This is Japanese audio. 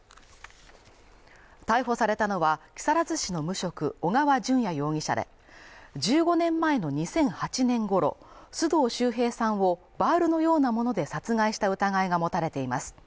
逮捕されたのは、木更津市の無職小川順也容疑者で、１５年前の２００８年頃、須藤秀平さんをバールのようなもので殺害した疑いが持たれています。